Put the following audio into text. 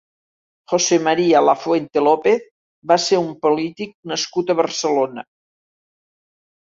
José María Lafuente López va ser un polític nascut a Barcelona.